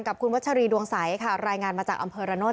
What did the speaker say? กับคุณวัชรีดวงใสค่ะรายงานมาจากอำเภอระโนธ